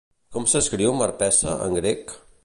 Com s'escriu Marpessa en grec?